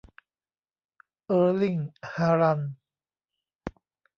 เออร์ลิ่ง ฮาลันด์